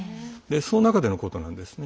その中でのことなんですね。